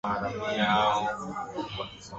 lahaja maalum ambayo inasaidiwa na wasomi wengine